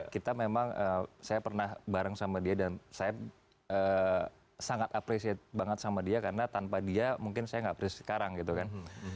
kita memang saya pernah bareng sama dia dan saya sangat appreciate banget sama dia karena tanpa dia mungkin saya nggak apprecia sekarang gitu kan